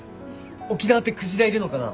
沖縄ってクジラいるのかな？